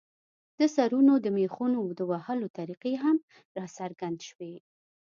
د سرونو د مېخونو د وهلو طریقې هم راڅرګندې شوې.